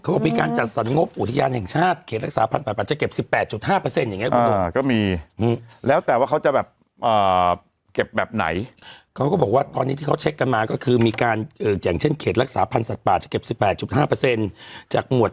เงี้ยสร้างกรรมสามสี่อะไรอย่างเงี้ยเขามีการจัดสรรงบ